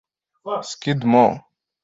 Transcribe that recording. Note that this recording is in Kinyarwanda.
Skidmore